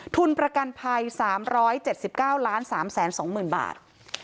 ทุนประกันภัย๓๗๙๓๒๐๐๐บาท